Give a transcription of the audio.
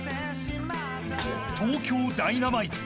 東京ダイナマイト。